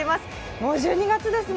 もう１２月ですね。